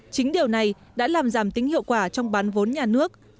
chính điều này đã làm giảm tính hiệu quả trong bán vốn nhà nước